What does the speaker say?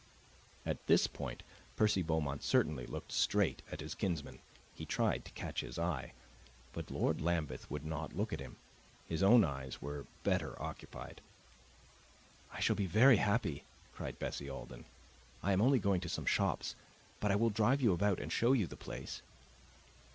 At this point Percy Beaumont certainly looked straight at his kinsman; he tried to catch his eye. But Lord Lambeth would not look at him; his own eyes were better occupied. "I shall be very happy," cried Bessie Alden. "I am only going to some shops. But I will drive you about and show you the place."